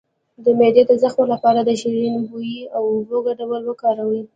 د معدې د زخم لپاره د شیرین بویې او اوبو ګډول وکاروئ